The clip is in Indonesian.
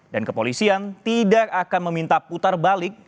dan kepolisian tidak akan meminta putar balik